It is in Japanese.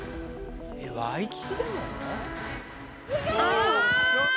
「ワイキキでも？」